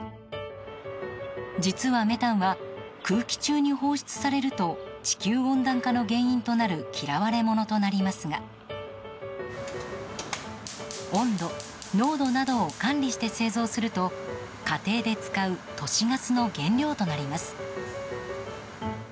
実はメタンは空気中に放出されると地球温暖化の原因となる嫌われ者となりますが温度、濃度などを管理して製造すると家庭で使う都市ガスの原料となります。